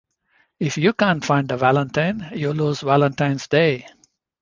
If you can't find a Valentine, you lose Valentine's day.